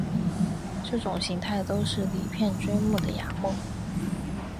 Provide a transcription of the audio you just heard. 这种形态都是离片锥目的亚目。